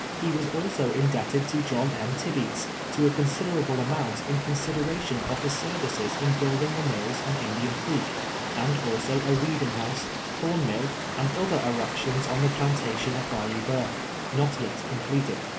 lie was also indebted to John M. Tibeats to a considerable amount in consideration of his services in building the mills on Indian Creek, and also a weaving house, corn mill and other erec tions on the plantation at Bay on Boeuf, not yet com pleted.